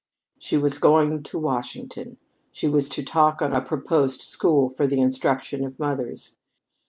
So she was going to Washington. She was to talk on a proposed school for the instruction of mothers.